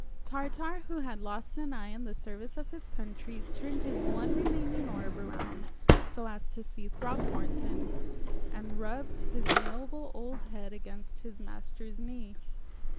Tartar, who had lost an eye in the service of his country, turned his one remaining orb around so as to see Throckmorton, and rubbed his noble old head against his master's knee.